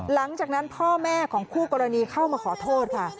หลังจากนั้นพ่อแม่ของคู่กรณีเข้ามาขอโทษค่ะ